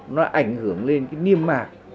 nó ảnh hưởng lên cái niêm mạc